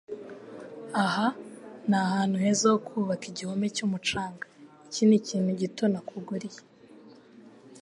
Aha ni ahantu heza ho kubaka igihome cyumucanga. Iki nikintu gito nakuguriye.